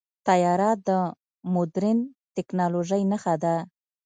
طیاره د مدرن ټیکنالوژۍ نښه ده.